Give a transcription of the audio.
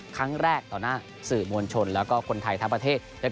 ครั้งแรกต่อหน้าสื่อมวลชนแล้วก็คนไทยทั้งประเทศ